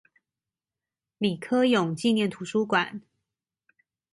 李科永紀念圖書館